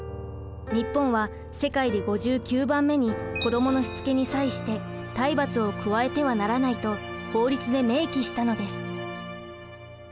日本は世界で５９番目に「子どものしつけに際して体罰を加えてはならない」と法律で明記したのです。